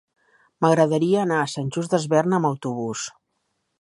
M'agradaria anar a Sant Just Desvern amb autobús.